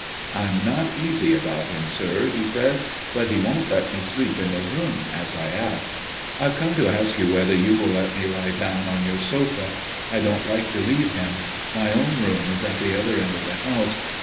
"I'm not easy about him, sir," he said. "But he won't let me sleep in his room, as I asked. I've come to ask you whether you will let me lie down on your sofa. I don't like to leave him. My own room is at the other end of the house.